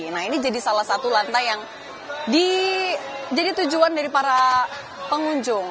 nah ini jadi salah satu lantai yang jadi tujuan dari para pengunjung